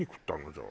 じゃあ。